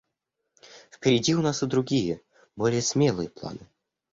Впереди у нас и другие, более смелые планы.